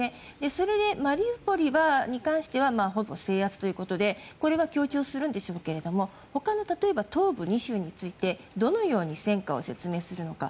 それでマリウポリに関してはほぼ制圧ということでこれは強調するんでしょうけれども他の、例えば東部２州についてどのように戦果を説明するのか。